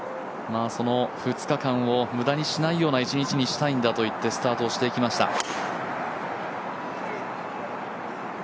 その２日間を無駄にしないような一日にしたいんだと言ってスタートしていきました。